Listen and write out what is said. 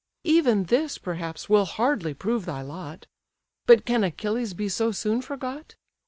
Even this, perhaps, will hardly prove thy lot. But can Achilles be so soon forgot?